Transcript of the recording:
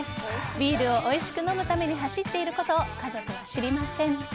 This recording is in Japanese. ビールをおいしく飲むために走っていることを家族は知りません。